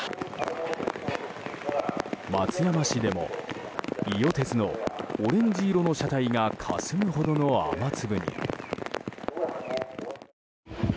松山市でも、伊予鉄のオレンジ色の車体がかすむほどの雨粒。